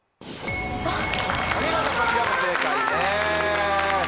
お見事こちらも正解です。